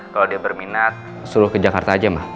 kalau dia berminat suruh ke jakarta aja mbak